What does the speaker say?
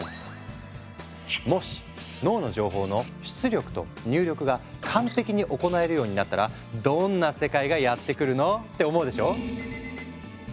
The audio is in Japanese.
もし脳の情報の出力と入力が完璧に行えるようになったらどんな世界がやって来るの？って思うでしょ？